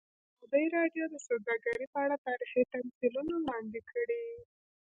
ازادي راډیو د سوداګري په اړه تاریخي تمثیلونه وړاندې کړي.